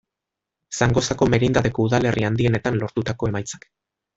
Zangozako merindadeko udalerri handienetan lortutako emaitzak.